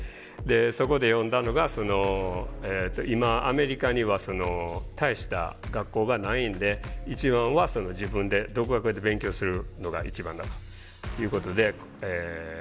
そこで読んだのがその今アメリカには大した学校がないんで一番は自分で独学で勉強するのが一番だということで言われて。